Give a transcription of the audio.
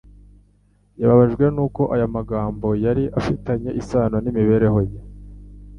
Yababajwe nuko aya magambo yari afitanye isano n’imibereho ye.